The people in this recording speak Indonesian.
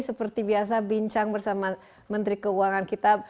seperti biasa bincang bersama menteri keuangan kita